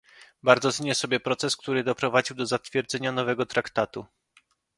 Bardzo cenię sobie proces, który doprowadził do zatwierdzenia nowego Traktatu